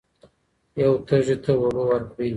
یو تږي ته اوبه ورکړئ.